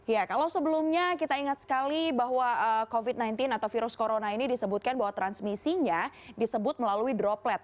ya kalau sebelumnya kita ingat sekali bahwa covid sembilan belas atau virus corona ini disebutkan bahwa transmisinya disebut melalui droplet